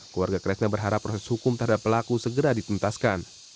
keluarga kresna berharap proses hukum terhadap pelaku segera dituntaskan